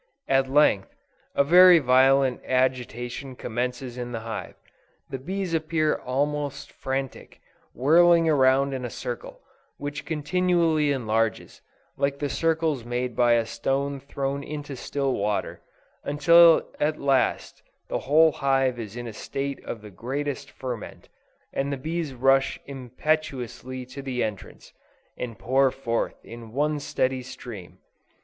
At length, a very violent agitation commences in the hive: the bees appear almost frantic, whirling around in a circle, which continually enlarges, like the circles made by a stone thrown into still water, until at last the whole hive is in a state of the greatest ferment, and the bees rush impetuously to the entrance, and pour forth in one steady stream.